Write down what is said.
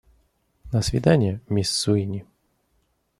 До свидания, мисс Суини.